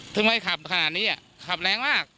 ถึงไม่ขับขนาดนี้อะขับแรงมาก